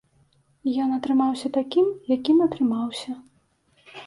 Ён атрымаўся такім, якім атрымаўся.